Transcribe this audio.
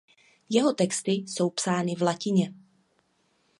Jeho texty jsou psány v latině.